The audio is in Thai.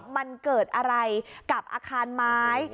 มันเกิดอะไรกับอาคารไม้